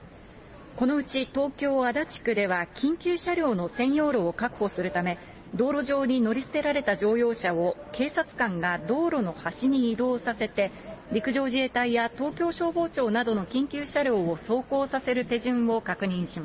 このうち東京・足立区では緊急車両の専用路を確保するため、道路上に乗り捨てられた乗用車を警察官が道路の端に移動させて、陸上自衛隊や東京消防庁などの緊急車両を走行させる手順を確認し